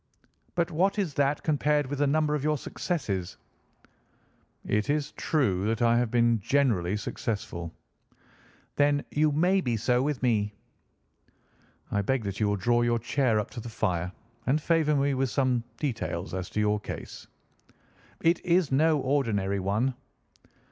"But what is that compared with the number of your successes?" "It is true that I have been generally successful." "Then you may be so with me." "I beg that you will draw your chair up to the fire and favour me with some details as to your case." "It is no ordinary one."